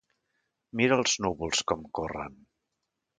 Mira els núvols com corren.